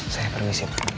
saya permisi pak